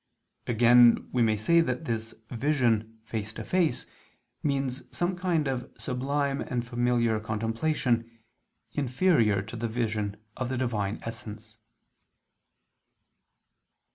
Again we may say that this vision "face to face" means some kind of sublime and familiar contemplation, inferior to the vision of the Divine Essence.